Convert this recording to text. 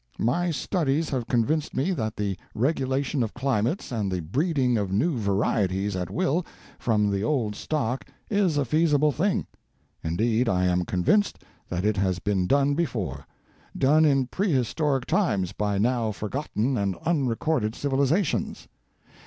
My studies have convinced me that the regulation of climates and the breeding of new varieties at will from the old stock is a feasible thing. Indeed I am convinced that it has been done before; done in prehistoric times by now forgotten and unrecorded civilizations.